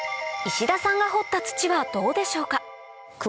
石田さんが掘った土はどうでしょうか？